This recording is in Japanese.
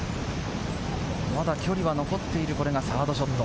まだ距離は残っている、これがサードショット。